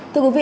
thưa quý vị